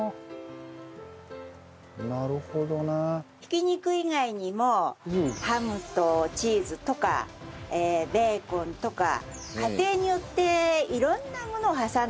挽き肉以外にもハムとチーズとかベーコンとか家庭によって色んなものを挟んで揚げますね。